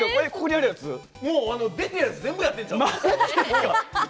もう出てるやつ全部やってるんちゃう。